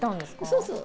そうそう。